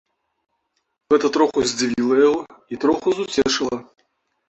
Гэта троху здзівіла яго і троху суцешыла.